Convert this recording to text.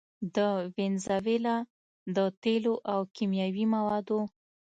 د وينزويلا د تېلو او کيمياوي موادو